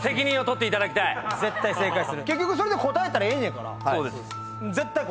結局それで答えたらええねんから絶対答えますわ。